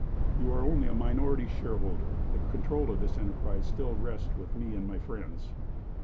"You are only a minority stockholder; the control of this enterprise still rests with me and my friends."